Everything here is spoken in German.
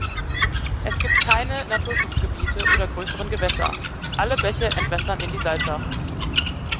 Es gibt keine Naturschutzgebiete oder größeren Gewässer; alle Bäche entwässern in die Salzach.